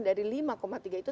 dari lima tiga itu